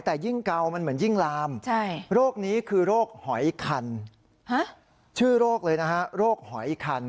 แต่ยิ่งเกามันเหมือนยิ่งลามโรคนี้คือโรคหอยคันชื่อโรคเลยนะฮะโรคหอยคัน